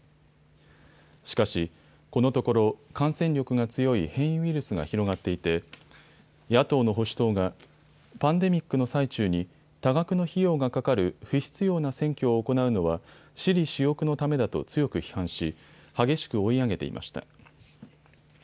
しかし、このところ、感染力が強い変異ウイルスが広がっていて野党の保守党がパンデミックの最中に多額の費用がかかる不必要な選挙を行うのは私利私欲のためだと強く批判し激しく追い上げていました。